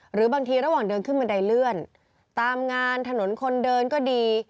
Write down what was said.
หรือบางทีระหว่างเดินขึ้นบันไดเลื่อนตามงานถนนคนเดินก็ดี